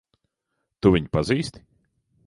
Tu viņu pazīsti?